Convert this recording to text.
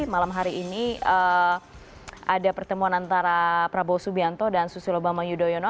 malam hari ini ada pertemuan antara prabowo subianto dan susilo bambang yudhoyono